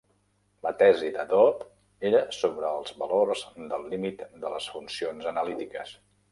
La tesi de Doob era sobre als valors del límit de les funcions analítiques.